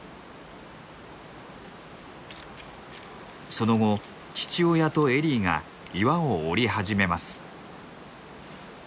その後父親とエリーが岩を下り始めます。